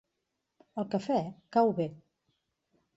El cafè cau bé.